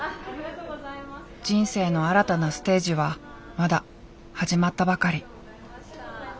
人生の新たなステージはまだ始まったばかり。